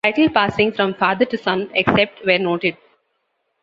Title passing from father to son, except where noted.